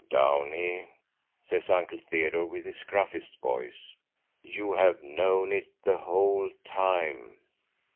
"Downie," says Uncle Theodore with his gruffest voice: "You have known it the whole time!"